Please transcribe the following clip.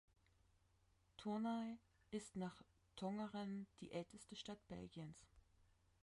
Tournai ist nach Tongeren die älteste Stadt Belgiens.